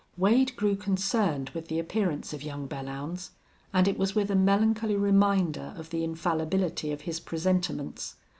Wade grew concerned with the appearance of young Belllounds, and it was with a melancholy reminder of the infallibility of his presentiments.